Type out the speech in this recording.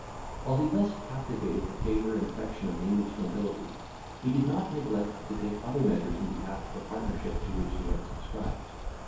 While he thus captivated the favour and affection of the English nobility, he did not neglect to take other measures in behalf of the partnership to which he had subscribed.